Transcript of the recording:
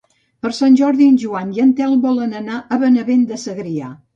Per Sant Jordi en Joan i en Telm volen anar a Benavent de Segrià.